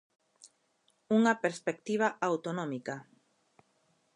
Unha perspectiva autonómica.